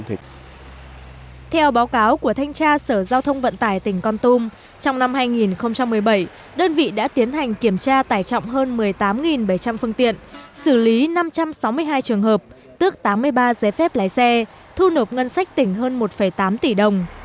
theo báo cáo của thanh tra sở giao thông vận tải tỉnh con tum trong năm hai nghìn một mươi bảy đơn vị đã tiến hành kiểm tra tải trọng hơn một mươi tám bảy trăm linh phương tiện xử lý năm trăm sáu mươi hai trường hợp tước tám mươi ba giấy phép lái xe thu nộp ngân sách tỉnh hơn một tám tỷ đồng